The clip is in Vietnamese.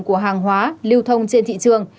của hàng hóa lưu thông trên thị trường